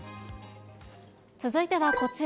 続いてはこちら。